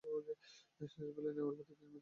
হাসপাতালে নেওয়ার পথে তিনি মৃত্যুবরণ করেন।